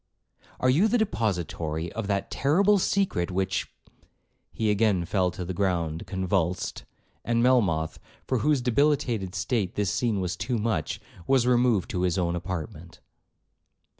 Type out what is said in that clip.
—Are you the depository of that terrible secret which—' He again fell to the ground convulsed, and Melmoth, for whose debilitated state this scene was too much, was removed to his own apartment.